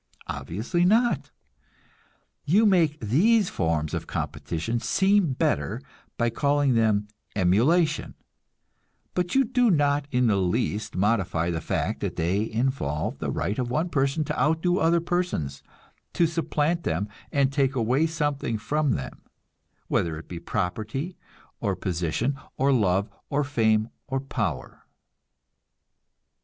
Obviously not. You make these forms of competition seem better by calling them "emulation," but you do not in the least modify the fact that they involve the right of one person to outdo other persons, to supplant them and take away something from them, whether it be property or position or love or fame or power.